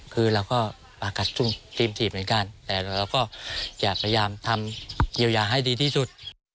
คือเราก็ประกัดทีมถีบเหมือนกันแต่เราก็จะพยายามทำเยียวยาให้ดีที่สุด